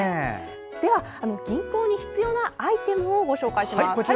では、吟行に必要なアイテムをご紹介します。